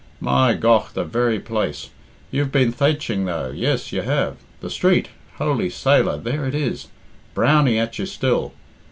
"My gough, the very place! You've been thatching, though yes, you have. The street! Holy sailor, there it is! Brownie at you still?